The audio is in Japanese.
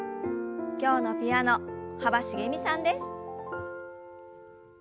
今日のピアノ幅しげみさんです。